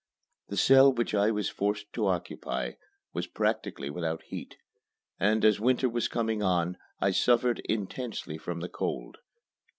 The cell which I was forced to occupy was practically without heat, and as winter was coming on, I suffered intensely from the cold.